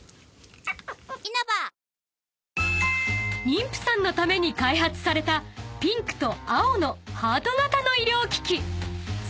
［妊婦さんのために開発されたピンクと青のハート形の医療機器］